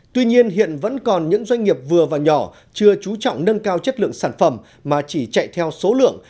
tuy nhiên hiện vẫn còn những doanh nghiệp vừa và nhỏ chưa trú trọng nâng cao chất lượng sản phẩm mà chỉ chạy theo số lượng